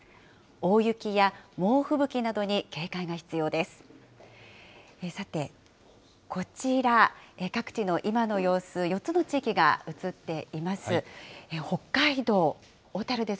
大雪や猛吹雪などに警戒が必要です。